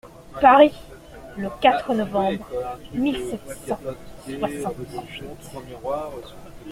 Paris, le quatre novembre mille sept cent soixante-huit.